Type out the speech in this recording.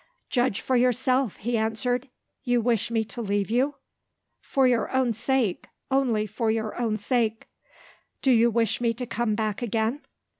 "Judge for yourself," he answered. "You wish me to leave you?" "For your own sake. Only for your own sake." "Do you wish me to come back again?"